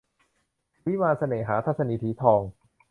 วิมานเสน่หา - ทัศนีย์ สีทอง